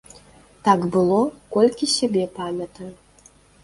Так было, колькі сябе памятаю.